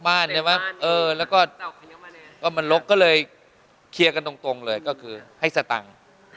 มันก็ไปลกบ้านแล้วก็มันลกก็เลยเคลียร์กันตรงเลยก็คือให้สตังค์